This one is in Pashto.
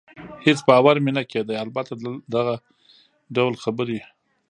هېڅ باور مې نه کېده، البته دغه ډول خبرې.